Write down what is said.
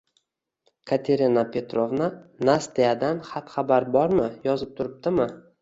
Katerina Petrovna, Nastyadan xat-xabar bormi? Yozib turibdimi?